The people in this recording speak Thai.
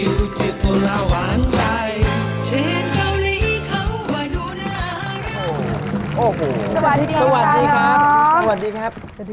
สวัสดีครับ